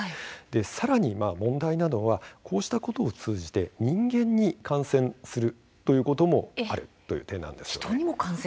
さらに問題なのはこうしたことを通じて人間に感染するということもあるということなんです。